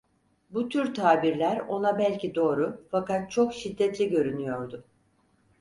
Bu tür tabirler ona belki doğru, fakat çok şiddetli görünüyordu.